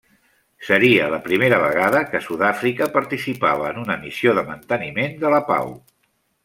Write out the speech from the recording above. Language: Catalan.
Seria la primera vegada que Sud-àfrica participava en una missió de manteniment de la pau.